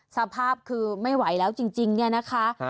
สภาพคือไม่ไหวแล้วจริงเนี่ยนะคะ